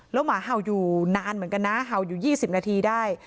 แล้วหมาเห่าอยู่นานเหมือนกันนะเห่าอยู่๒๐นาทีได้